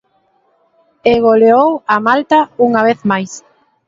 E goleou a Malta unha vez máis.